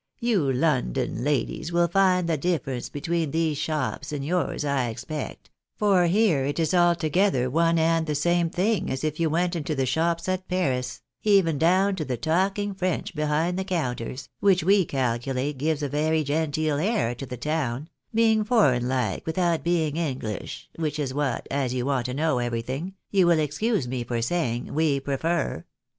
You London ladies will find the difference between these shops and yours, I expect ; for here it is altogether one and the same thing as if you went into the shops at Paris, even down to the talking French behind the counters, which we calculate gives a very genteel air to the town, being foreign like without being English, which is what, as you want to know everything, you will excuse me for saying, we prefer.